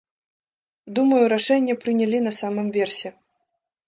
Думаю, рашэнне прынялі на самым версе.